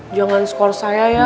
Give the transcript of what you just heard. jangan skor saya ya